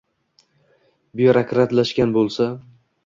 byurokratlashgan bo‘lsa